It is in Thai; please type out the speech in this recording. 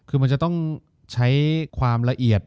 คือมันจะต้องใช้ความละเอียด